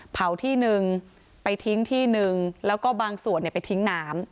เผาที่หนึ่งไปทิ้งที่หนึ่งแล้วก็บางส่วนไปทิ้งน้ำ